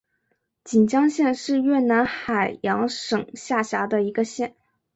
锦江县是越南海阳省下辖的一个县。